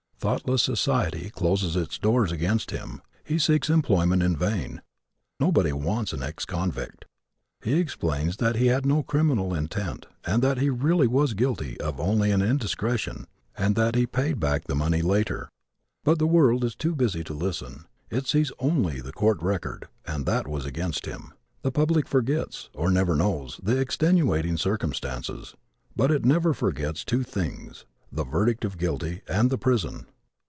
Thoughtless society closes its doors against him. He seeks employment in vain. Nobody wants an ex convict. He explains that he had no criminal intent and that he really was guilty of only an indiscretion and that he paid back the money later. But the world is too busy to listen. It sees only the court record, and that was against him. The public forgets, or never knows, the extenuating circumstances. But it never forgets two things the verdict of guilty and the prison.